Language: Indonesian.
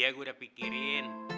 iya gue udah pikirin